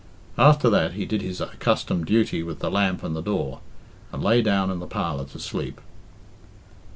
After that he did his accustomed duty with the lamp and the door, and lay down in the parlour to sleep.